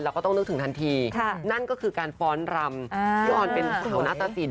ก็ต้องนึกถึงทันทีนั่นก็คือการฟ้อนรำพี่ออนเป็นสาวหน้าตะสิน